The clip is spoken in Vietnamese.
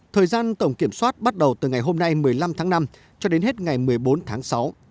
thời gian tổng kiểm soát bắt đầu từ ngày hôm nay một mươi năm tháng năm cho đến hết ngày một mươi bốn tháng sáu